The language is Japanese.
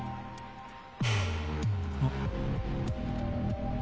あっ！